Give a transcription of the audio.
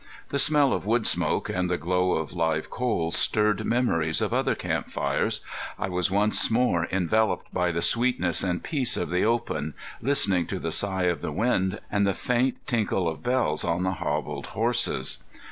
The smell of wood smoke and the glow of live coals stirred memories of other camp fires. I was once more enveloped by the sweetness and peace of the open, listening to the sigh of the wind, and the faint tinkle of bells on the hobbled horses.